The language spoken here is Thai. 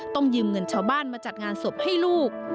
ยืมเงินชาวบ้านมาจัดงานศพให้ลูก